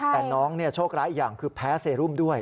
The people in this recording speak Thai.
แต่น้องโชคร้ายอีกอย่างคือแพ้เซรุมด้วย